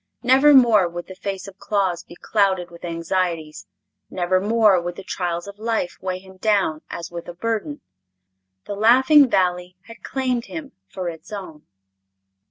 Never more would the face of Claus be clouded with anxieties; never more would the trials of life weigh him down as with a burden. The Laughing Valley had claimed him for its own.